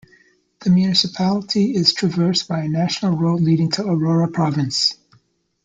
The municipality is traversed by a national road leading to Aurora province.